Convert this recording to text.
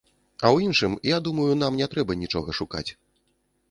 А ў іншым, я думаю, нам не трэба нічога шукаць.